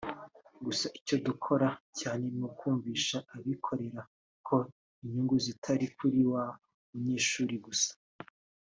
gusa icyo dukora cyane ni ukumvisha abikorera ko inyungu zitari kuri wa munyeshuri gusa